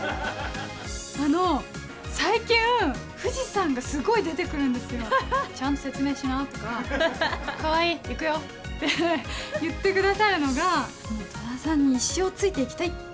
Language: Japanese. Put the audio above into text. あの、最近、藤さんがすごい出てくるんですよ。ちゃんと説明しなとか、川合いくよとかって言ってくださるのが、戸田さんに一生ついていきたいって。